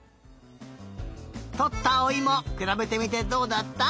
とったおいもくらべてみてどうだった？